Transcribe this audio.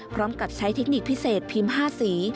พร้อมกับใช้เทคนิคพิเศษพิมพ์๕สี